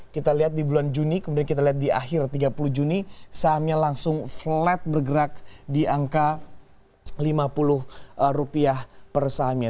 kita lihat di bulan juni kemudian kita lihat di akhir tiga puluh juni sahamnya langsung flat bergerak di angka lima puluh per sahamnya